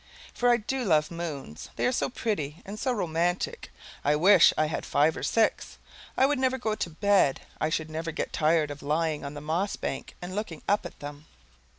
For I do love moons, they are so pretty and so romantic. I wish we had five or six; I would never go to bed; I should never get tired lying on the moss bank and looking up at them.